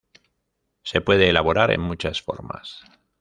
Se puede elaborar en muchas formas.